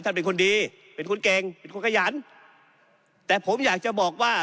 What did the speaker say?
เป็นคนดีเป็นคนเก่งเป็นคนขยันแต่ผมอยากจะบอกว่า